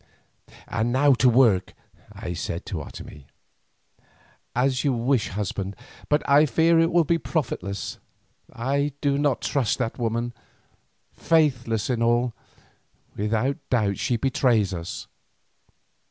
"And now to the work," I said to Otomie. "As you wish, husband, but I fear it will be profitless. I do not trust that woman. Faithless in all, without doubt she betrays us.